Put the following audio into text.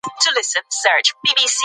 هغه پاڼه چې په سر کې وه نه لوېده.